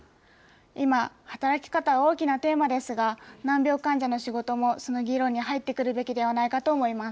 今、働き方は大きなテーマですが、難病患者の仕事も、その議論に入ってくるべきではないかと思います。